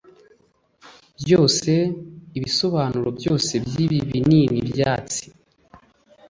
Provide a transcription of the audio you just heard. Byose, ibisobanuro byose byibi binini byatsi -